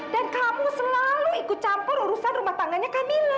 dan kamu selalu ikut campur urusan rumah tangganya kamila